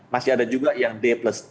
masih ada juga yang day plus